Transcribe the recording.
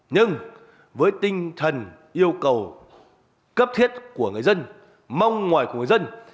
nhưng với tinh thần yêu cầu cấp thiết của người dân mong ngoài của người dân